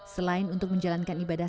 selain untuk menjalankan ibadah